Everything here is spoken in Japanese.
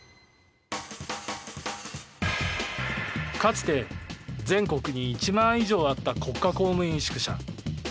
かつて、全国に１万以上あった国家公務員宿舎。